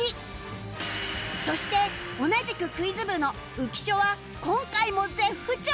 そして同じくクイズ部の浮所は今回も絶不調！